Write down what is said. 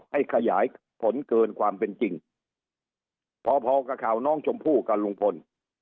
ขยายผลเกินความเป็นจริงพอพอกับข่าวน้องชมพู่กับลุงพล